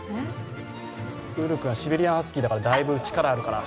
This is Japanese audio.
ウル君はシベリアンハスキーだからだいぶ力があるから。